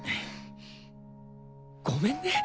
ごめんね。